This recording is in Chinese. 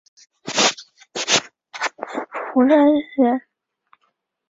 湖南人。